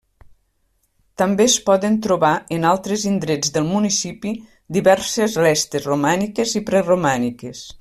També es poden trobar, en altres indrets del municipi, diverses restes romàniques i preromàniques.